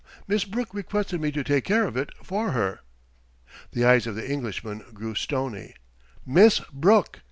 Miss Brooke requested me to take care of it for her." The eyes of the Englishman grew stony. "Miss Brooke!"